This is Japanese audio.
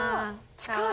近い！